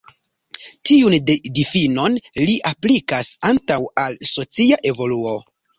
Tiun difinon li aplikas ankaŭ al la socia evoluo.